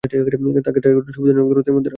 তাকে টার্গেট থেকে সুবিধাজনক দূরত্বের মধ্যে রাখো।